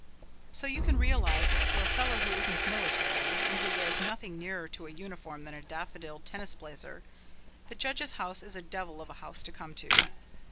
So you can realize that for a fellow who isn't military, and who wears nothing nearer to a uniform than a daffodil tennis blazer, the judge's house is a devil of a house to come to.